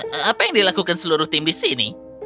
tidak kupikir kita sedang membuat keributan dengan mereka